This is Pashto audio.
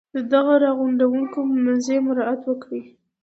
د دغه را غونډوونکي مزي مراعات وکړي.